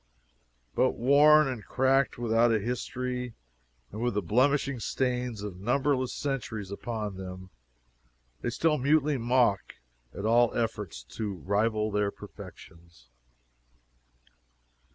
But worn, and cracked, without a history, and with the blemishing stains of numberless centuries upon them, they still mutely mock at all efforts to rival their perfections.